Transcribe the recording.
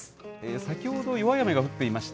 先ほど弱い雨が降っていました。